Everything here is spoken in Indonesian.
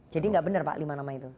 jadi enggak benar pak lima nama itu